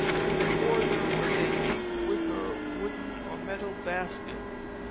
The voider was a deep wicker, wooden, or metal basket.